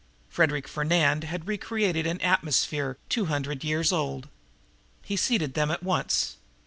Frederic Fernand had recreated an atmosphere two hundred years old. He seated them at once.